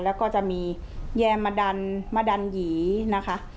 แล้วก็จะมีแยมดันมะดันหยีนะคะ